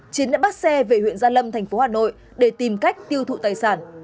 chiến đã bắt xe về huyện gia lâm thành phố hà nội để tìm cách tiêu thụ tài sản